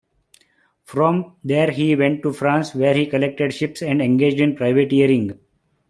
From there he went to France, where he collected ships and engaged in privateering.